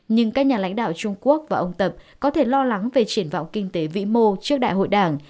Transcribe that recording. nhưng các nhà lãnh đạo trung quốc và ông tập có thể lo lắng về triển vọng kinh tế vĩ mô trước đại hội đảng